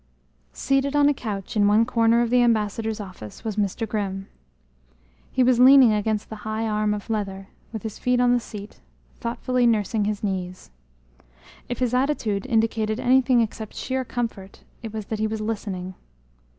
Seated on a couch in one corner of the ambassador's office was Mr. Grimm. He was leaning against the high arm of leather, with his feet on the seat, thoughtfully nursing his knees. If his attitude indicated anything except sheer comfort, it was that he was listening.